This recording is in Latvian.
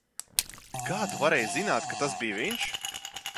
Kā tu varēji zināt, ka tas bija viņš?